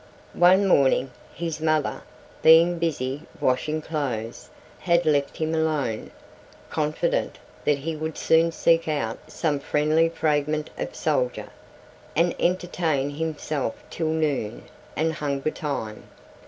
One morning, his mother, being busy washing clothes, had left him alone, confident that he would soon seek out some friendly fragment of soldier, and entertain himself till noon and hunger time.